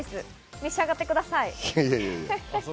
召し上がってください。